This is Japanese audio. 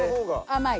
甘い。